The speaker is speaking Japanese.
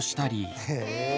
へえ！